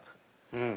うん。